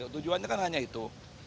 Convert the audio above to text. tujuannya kan hanya itu